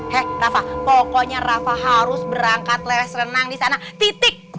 hek rafa pokoknya rafa harus berangkat leles renang di sana titik